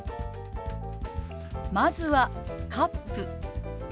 まずは「カップ」。